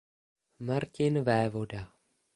Martin Vévoda.